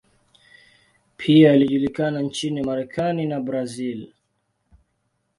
Pia alijulikana nchini Marekani na Brazil.